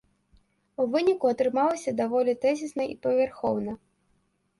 У выніку атрымалася даволі тэзісна і павярхоўна.